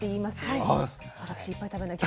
私いっぱい食べなきゃ。